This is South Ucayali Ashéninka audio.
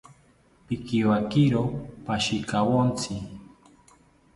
Pikiwakiro pashikawontzi